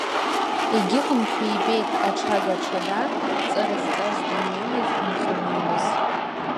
Егьыҟамшәа имбеит аҽага аҿада, ҵара зҵаз дуаҩымыз дынхаҩыз.